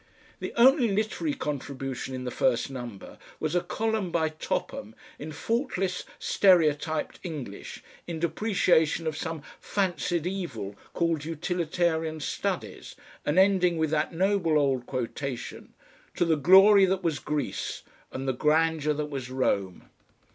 The only literary contribution in the first number was a column by Topham in faultless stereotyped English in depreciation of some fancied evil called Utilitarian Studies and ending with that noble old quotation: "To the glory that was Greece and the grandeur that was Rome."